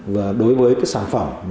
và đối với sản phẩm